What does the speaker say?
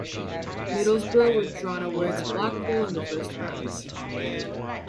Middlesbrough were drawn away to Blackpool in the first round.